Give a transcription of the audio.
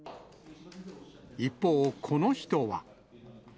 一方、この人は。